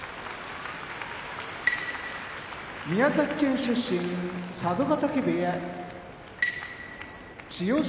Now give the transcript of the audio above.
琴恵光宮崎県出身佐渡ヶ嶽部屋千代翔